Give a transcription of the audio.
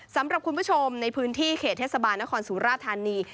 สำหรับคุณผู้ชมในพื้นที่เขตเทศบาลนครสุราธานี